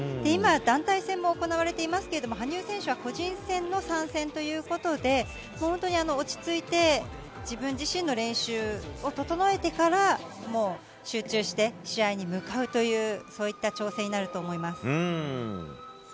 今、団体戦も行われていますが羽生選手は個人戦の参戦ということで本当に落ち着いて自分自身の練習を整えてから集中して試合に向かうというそういった挑戦になると思います。